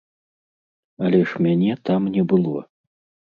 Але ж мяне там не было.